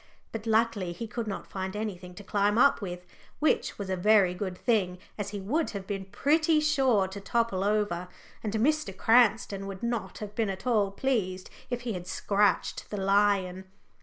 But luckily he could not find anything to climb up with, which was a very good thing, as he would have been pretty sure to topple over, and Mr. Cranston would not have been at all pleased if he had scratched the lion.